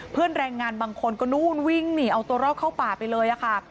แรงงานบางคนก็นู่นวิ่งหนีเอาตัวรอดเข้าป่าไปเลยค่ะ